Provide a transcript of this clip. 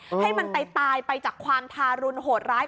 ให้มันตายไปจากความทารุณโหดร้าย